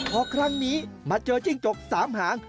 พอครั้งนี้มาเจอจิ้งจก๓หาง